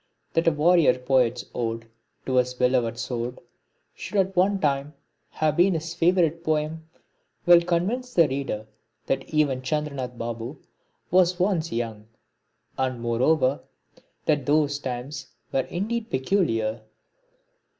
That a warrior poet's ode to his beloved sword should at one time have been his favourite poem will convince the reader that even Chandranath Babu was once young; and moreover that those times were indeed peculiar.